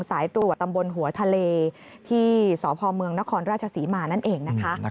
สายตรวจตำบลหัวทะเลที่สพเมืองนครราชศรีมานั่นเองนะคะ